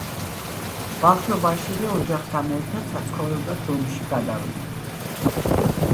ბავშვობაშივე ოჯახთან ერთად საცხოვრებლად რომში გადავიდა.